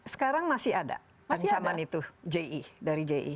sekarang masih ada ancaman itu ji dari ji